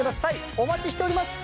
お待ちしております！